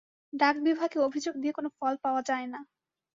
ডাক বিভাগে অভিযোগ দিয়ে কোনো ফল পাওয়া যায় না।